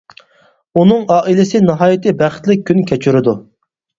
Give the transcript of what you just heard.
ئۇنىڭ ئائىلىسى ناھايىتى بەختلىك كۈن كەچۈرىدۇ.